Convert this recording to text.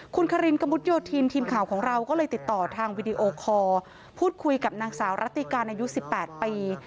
คุณคารินกระมุดโยธินทีมข่าวของเราก็เลยติดต่อทางวิดีโอคอร์พูดคุยกับนางสาวรัติการอายุ๑๘ปี